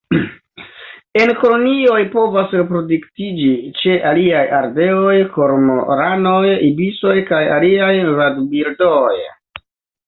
En kolonioj povas reproduktiĝi ĉe aliaj ardeoj, kormoranoj, ibisoj kaj aliaj vadbirdoj.